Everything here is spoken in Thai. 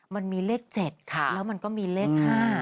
มันมีเลข๗แล้วมันก็มีเลข๕